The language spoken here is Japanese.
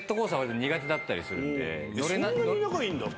そんなに仲いいんだ。